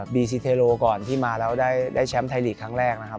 บีซีเทโลก่อนที่มาแล้วได้แชมป์ไทยลีกครั้งแรกนะครับ